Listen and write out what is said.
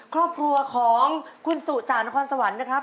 ครอบครัวของคุณสุจากนครสวรรค์นะครับ